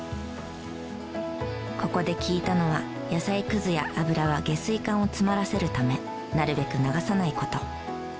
ここで聞いたのは野菜くずや油は下水管を詰まらせるためなるべく流さない事。